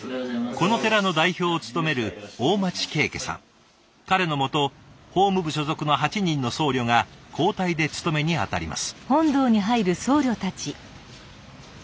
この寺の代表を務める彼の下法務部所属の８人の僧侶が交代で勤めに当たります。